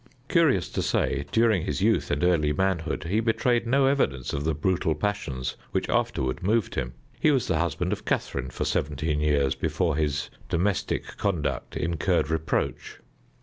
Curious to say, during his youth and early manhood he betrayed no evidence of the brutal passions which afterward moved him. He was the husband of Catharine for seventeen years before his domestic conduct incurred reproach.